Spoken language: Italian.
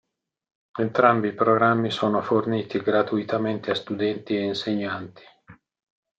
Entrambi i programmi sono forniti gratuitamente a studenti e insegnanti.